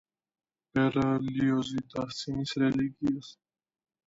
ბერლიოზი დასცინის რელიგიას.